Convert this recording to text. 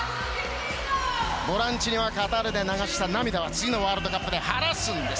ボランチにはカタールで流した涙は次のワールドカップで晴らすんです。